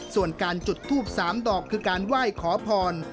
ส่วนการจุดทูบ๓ดอกคือการไหว้ขอพร